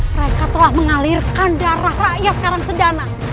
mereka telah mengalirkan darah rakyat karang sedana